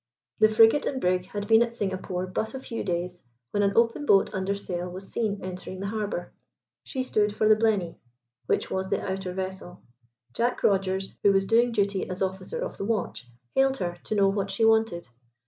The frigate and brig had been at Singapore but a few days when an open boat under sail was seen entering the harbour. She stood for the Blenny, which was the outer vessel. Jack Rogers, who was doing duty as officer of the watch, hailed her to know what she wanted.